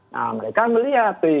nah mereka melihat tuh